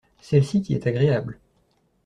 Celle-ci qui est agréable.